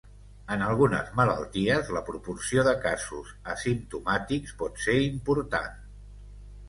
En algunes malalties, la proporció de casos asimptomàtics pot ser important.